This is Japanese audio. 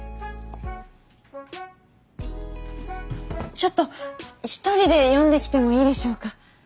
ちょっと１人で読んできてもいいでしょうか？